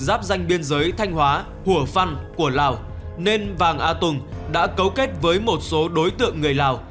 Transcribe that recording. giáp danh biên giới thanh hóa hùa phân của lào nên vàng a tùng đã cấu kết với một số đối tượng người lào